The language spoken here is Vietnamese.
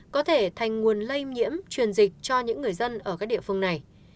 có thể thành nguồn lây nhiễm truyền dịch cho những người dân ở các địa phương này